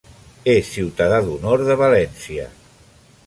És Ciutadà d'Honor de València.